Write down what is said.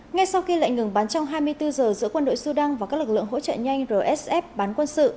ngay sau khi lệnh ngừng bắn trong hai mươi bốn giờ giữa quân đội sudan và các lực lượng hỗ trợ nhanh rsf bán quân sự